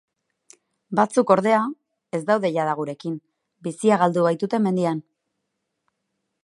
Batzuk, ordea, ez daude jada gurekin, bizia galdu baitute mendian.